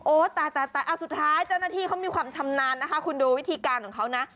สุดท้ายเจ้าหน้าที่เขามีความชำนาญนะคะคุณดูวิธีการของเขานะ